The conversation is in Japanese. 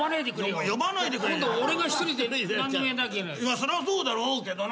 そりゃそうだろうけどな。